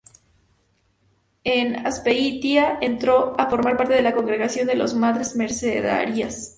En Azpeitia entró a formar parte de la congregación de las Madres Mercedarias.